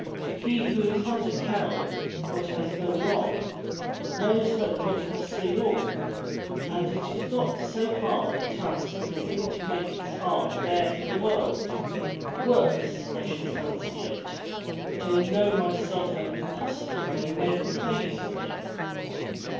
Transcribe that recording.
* He who is not a coward, but has done wrong, knows that God has seen all, and it is not so hard a task for him to make his heart bare to the world. Worse, I should fancy it, to know myself an impostor when men praised me."